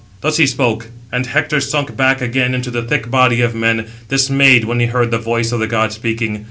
Thus he spoke, and Hector sunk back again into the thick body of men, dismayed when he heard the voice of the god speaking.